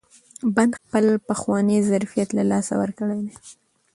بند خپل پخوانی ظرفیت له لاسه ورکړی دی.